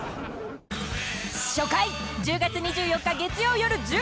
［初回１０月２４日月曜夜１０時］